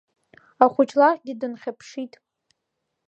Ахәыҷ лахьгьы дынхьаԥшит…